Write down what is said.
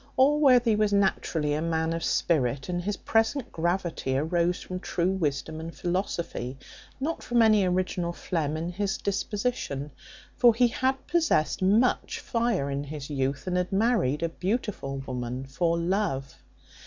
Allworthy was naturally a man of spirit, and his present gravity arose from true wisdom and philosophy, not from any original phlegm in his disposition; for he had possessed much fire in his youth, and had married a beautiful woman for love.